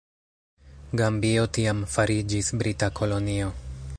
Gambio tiam fariĝis brita kolonio.